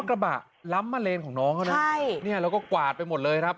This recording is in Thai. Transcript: กระบะล๊าบมาเลนของน้องนะใช่เนี่ยเราก็กวาดไปหมดเลยแบบ